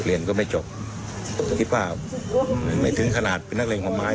เรียนก็ไม่จบคิดว่าไม่ถึงขนาดเป็นนักเลงของไม้